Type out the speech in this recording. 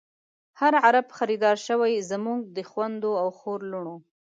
هر عرب خریدار شوۍ، زمونږ د خوندو او خور لڼو